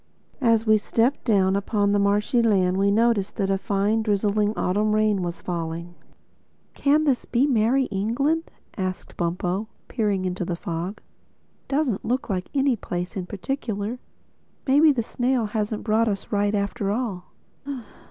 As we stepped down upon the marshy land we noticed that a fine, drizzling autumn rain was falling. "Can this be Merrie England?" asked Bumpo, peering into the fog—"doesn't look like any place in particular. Maybe the snail hasn't brought us right after all."